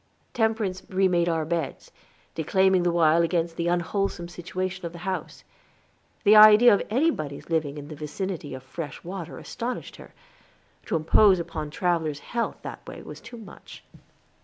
Temperance remade our beds, declaiming the while against the unwholesome situation of the house; the idea of anybody's living in the vicinity of fresh water astonished her; to impose upon travelers' health that way was too much.